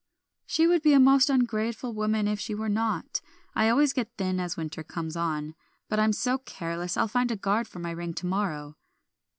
"She would be a most ungrateful woman if she were not. I always get thin as winter comes on, but I'm so careless I'll find a guard for my ring to morrow."